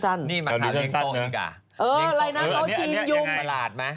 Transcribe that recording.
อะไรนะโต๊ะจีนยุ่ง